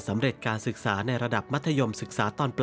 เมื่อเธอสำเร็จการศึกษาในระดับมัธยมศึกษาตอนปลาย